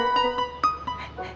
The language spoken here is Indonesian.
terlenang seperti kegmbira el pas